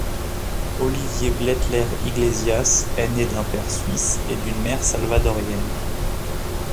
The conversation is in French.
Olivier Blättler Yglesias est né d'un père suisse et d'une mère salvadorienne.